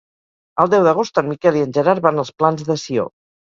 El deu d'agost en Miquel i en Gerard van als Plans de Sió.